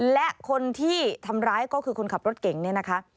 และคนที่ทำร้ายก็คือคนขับรถเก่งเนี่ยนะคะ